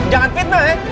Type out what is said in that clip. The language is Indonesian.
jangan fitnah ya